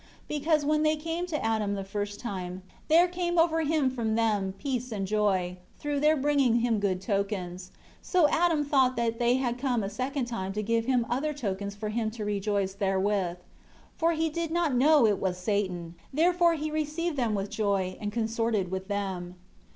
4 Because, when they came to Adam the first time, there came over him from them, peace and joy, through their bringing him good tokens; so Adam thought that they had come a second time to give him other tokens for him to rejoice therewith. For he did not know it was Satan; therefore he received them with joy and consorted with them.